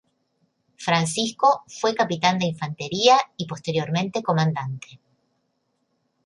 Francisco fue capitán de infantería y posteriormente comandante.